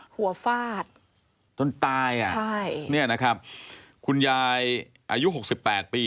ฟาดจนตายอ่ะใช่เนี่ยนะครับคุณยายอายุหกสิบแปดปี